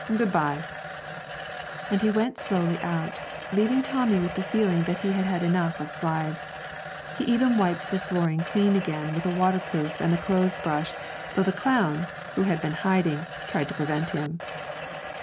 Good bye.' And he went slowly out, leaving Tommy with the feeling that he had had enough of slides. He even wiped the flooring clean again with a waterproof and the clothes brush, though the clown (who had been hiding) tried to prevent him.